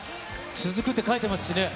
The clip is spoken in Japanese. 続くって書いてますしね。